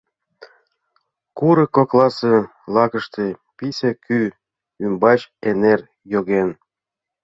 Курык кокласе лакыште писе кӱ ӱмбач эҥер йоген.